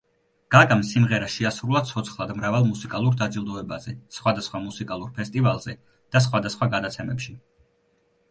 გაგამ სიმღერა შეასრულა ცოცხლად მრავალ მუსიკალურ დაჯილდოებაზე, სხვადასხვა მუსიკალურ ფესტივალზე და სხვადასხვა გადაცემებში.